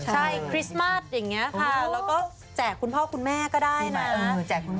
ใช่คริสต์มัสอย่างนี้ค่ะแล้วก็แจกคุณพ่อคุณแม่ก็ได้นะ